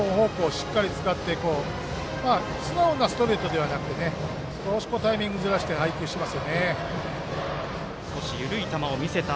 しっかり使ってただのストレートだけじゃなくて少しタイミングずらして配球していますね。